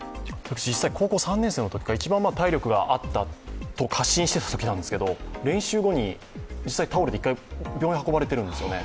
実際高校３年生のとき一番体力があったと過信してたときなんですけど、練習後に実際倒れて病院に運ばれているんですよね。